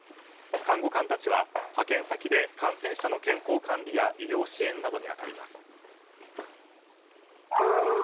看護官たちは派遣先で感染者の健康管理や医療支援などに当たります。